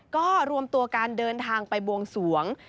ก็รวมตัวการเดินทางไปบวงสวง